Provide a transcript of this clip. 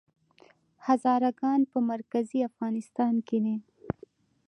هزاره ګان په مرکزي افغانستان کې دي؟